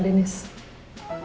dennis ya kenapa